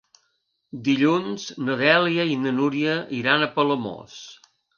Dilluns na Dèlia i na Núria iran a Palamós.